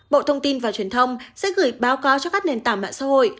bộ thông tin và truyền thông sẽ gửi báo cáo cho các nền tảng mạng xã hội